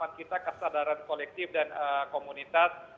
harapan kita kesadaran kolektif dan komunitas